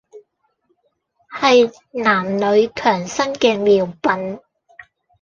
係男女強身嘅妙品